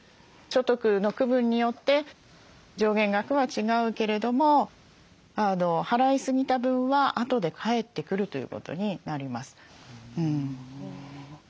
所得の区分によって上限額は違うけれども払いすぎた分はあとで返ってくるということになります。